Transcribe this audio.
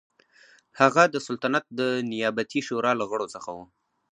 هغه د سلطنت د نیابتي شورا له غړو څخه و.